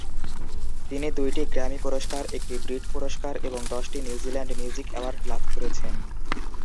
তিনি দুইটি গ্র্যামি পুরস্কার, একটি ব্রিট পুরস্কার এবং দশটি নিউজিল্যান্ড মিউজিক অ্যাওয়ার্ড লাভ করেছেন।